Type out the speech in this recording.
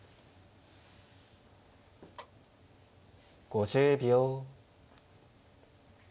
５０秒。